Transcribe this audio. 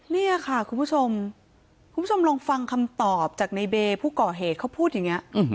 นี่ค่ะคุณผู้ชมคุณผู้ชมลองฟังคำตอบจากในเบย์ผู้ก่อเหตุเขาพูดอย่างนี้